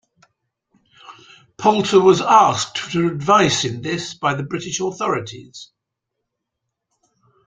Poulter was asked for advice in this by the British authorities.